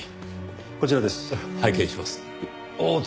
こちらです。